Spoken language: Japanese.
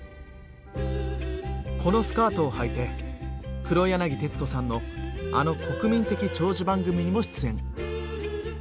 このスカートをはいて黒柳徹子さんのあの国民的長寿番組にも出演。